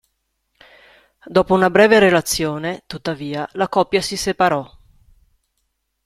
Dopo una breve relazione, tuttavia, la coppia si separò.